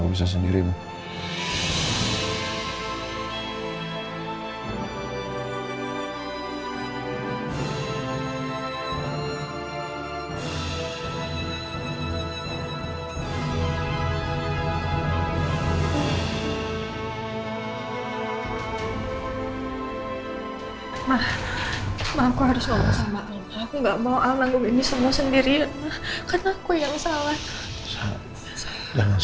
kamu bisa sendiri bu